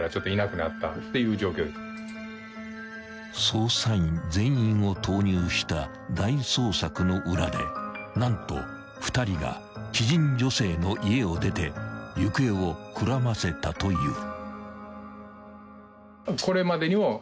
［捜査員全員を投入した大捜索の裏で何と２人が知人女性の家を出て行方をくらませたという］